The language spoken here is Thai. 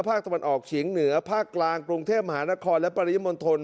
ภาคตะวันออกเฉียงเหนือภาคกลางกรุงเทพมหานครและปริมณฑล